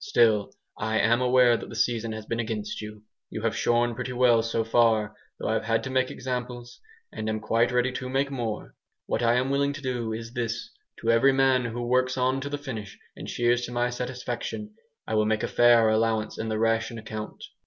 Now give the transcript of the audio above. Still I am aware that the season has been against you. You have shorn pretty well, so far, though I've had to make examples, and am quite ready to make more. What I am willing to do is this: to every man who works on till the finish and shears to my satisfaction, I will make a fair allowance in the ration account.